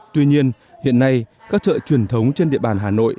tuy nhiên hiện nay các chợ truyền thống trên địa bàn hà nội